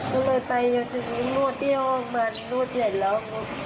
ก็เลยตายไปจากนี้นวดที่ห้องมันนวดใหญ่แล้ว